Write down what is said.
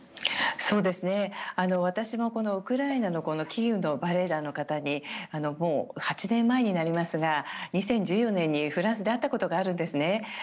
私もウクライナのキーウのバレエ団の方にもう８年前になりますが２０１４年にフランスで会ったことがあるんですね。